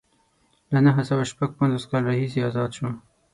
له نهه سوه شپږ پنځوس کال راهیسې ازاد شو.